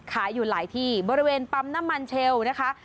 ขายอยู่หลายที่บริเวณปั๊มน้ำมันเชลนะคะ